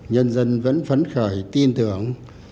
nhân dân vẫn phấn khởi tin tưởng